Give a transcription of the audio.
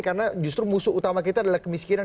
karena justru musuh utama kita adalah kemiskinan